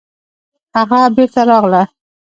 هغه بېرته راغله